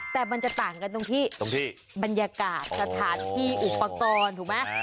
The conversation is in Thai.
แต่มันจะต่างกันตรงที่ตรงที่บรรยากาศสถานที่อุปกรณ์ถูกไหม